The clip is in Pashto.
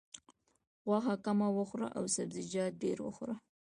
غوښه کمه وخوره او سبزیجات ډېر وخوره.